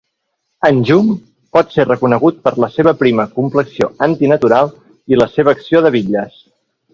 Anjum pot ser reconegut per la seva prima complexió antinatural i la seva acció de bitlles.